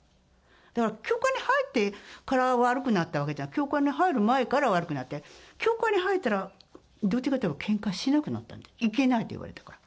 だから教会に入ってから悪くなったわけじゃない、教会に入る前から悪くなって、教会に入ったら、どっちかといえばけんかしなくなったの、いけないって言われたから。